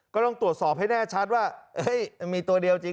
ก็ต้องตรวจสอบให้แน่ชัดว่ามีตัวเดียวจริง